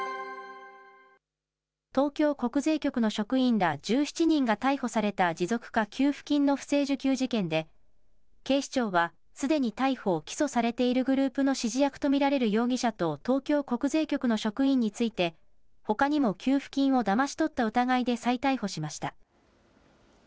東京国税局の職員ら１７人が逮捕された持続化給付金の不正受給事件で、警視庁は、すでに逮捕・起訴されているグループの指示役と見られる容疑者と東京国税局の職員について、ほかにも給付金をだまし取った疑いで再逮捕しました。